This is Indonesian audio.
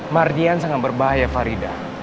mardian sangat berbahaya faridah